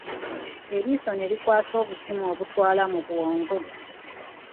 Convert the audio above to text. Eriiso ne likikwasa obusimu obutwala mu bwongo.